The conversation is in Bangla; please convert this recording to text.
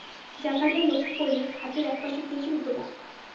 জাকারিয়া লক্ষ করলেন খাটের এক পাশে প্রচুর গোলাপ।